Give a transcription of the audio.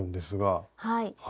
はい。